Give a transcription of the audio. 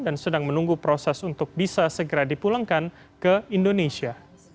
dan sedang menunggu proses untuk bisa segera dipulangkan ke indonesia